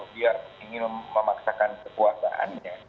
dia ingin memaksakan kekuasaannya